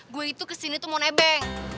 gue itu kesini tuh mau nebeng